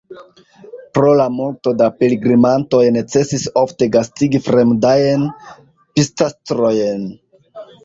Pro la multo da pilgrimantoj necesis ofte gastigi fremdajn pstastrojn.